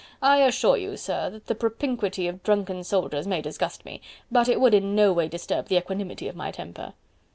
I assure you, sir, that the propinquity of drunken soldiers may disgust me, but it would in no way disturb the equanimity of my temper."